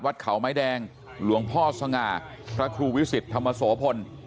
เขาไม้แดงหลวงพ่อสง่าพระครูวิสิตธรรมโสพล